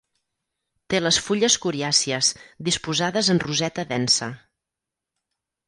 Té les fulles coriàcies disposades en roseta densa.